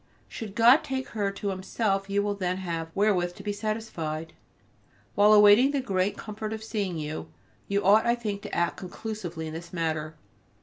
Should God take her to Himself you will then have wherewith to be satisfied. While awaiting the great comfort of seeing you, you ought, I think, to act conclusively in the matter.